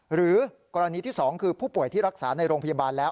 หรือกรณีที่๒คือผู้ป่วยที่รักษาในโรงพยาบาลแล้ว